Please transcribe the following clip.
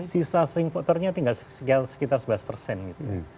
sisa swing voternya tinggal sekitar sebelas persen gitu